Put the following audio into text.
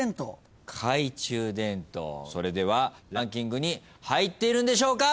それではランキングに入っているんでしょうか？